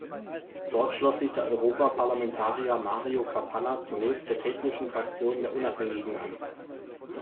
Dort schloss sich der Europaparlamentarier Mario Capanna zunächst der Technischen Fraktion der Unabhängigen an.